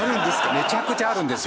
めちゃくちゃあるんですよ。